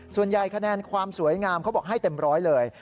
ส่วนใหญ่คะแนนความสวยงามเขาบอกให้เต็มร้อยเลย